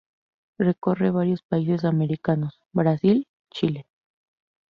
Recorre varios países americanos: Brasil, Chile.